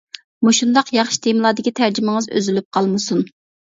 مۇشۇنداق ياخشى تېمىلاردىكى تەرجىمىڭىز ئۈزۈلۈپ قالمىسۇن.